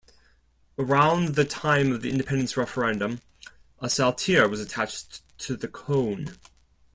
Around the time of the Independence Referendum, a saltire was attached to the cone.